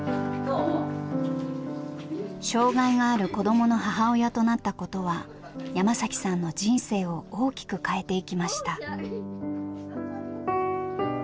障害がある子どもの母親となったことは山さんの人生を大きく変えていきました。